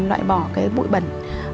loại bỏ bụi bần